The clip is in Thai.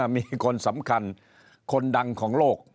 มีคนสำคัญคนดังของโลก